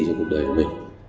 trong cuộc đời của mình